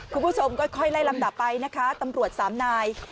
คุณผู้ชมค่อยไล่ลำดับไปนะคะตำรวจสามนาย